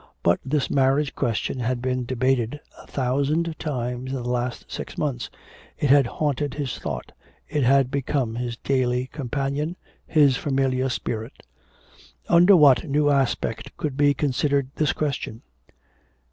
But this marriage question had been debated a thousand times in the last six months; it had haunted his thought, it had become his daily companion, his familiar spirit. Under what new aspect could he consider this question?